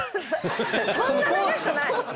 そんな長くない！